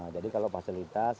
jadi kalau fasilitas